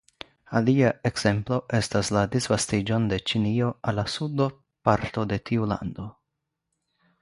Alia ekzemplo estas la disvastiĝon de Ĉinio al la sudo parto de tiu lando.